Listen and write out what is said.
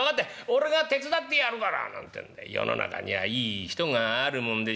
俺が手伝ってやるから」なんてんで世の中にはいい人があるもんでして。